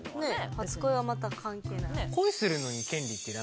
初恋はまた関係ない。